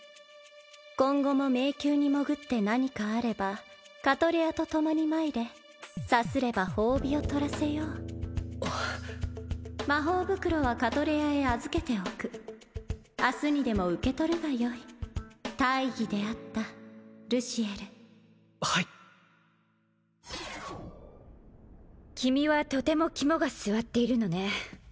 今後も迷宮に潜って何かあればカトレアとともにまいれさすれば褒美を取らせよう魔法袋はカトレアへ預けておく明日にでも受け取るがよい大儀であったルシエルはい君はとても肝が据わっているのね